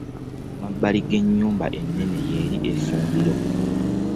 Mu mabbali g'ennyumba ennene y'eri effumbiro.